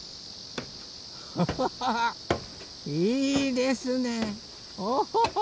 ハハハいいですねおお。